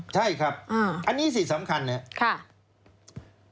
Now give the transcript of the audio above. ใช่ครับอันนี้สิทธิสำคัญเนี่ย